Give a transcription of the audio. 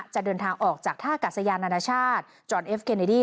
จะเดินทางออกจากท่ากาศยานานาชาติจอนเอฟเคเนดี้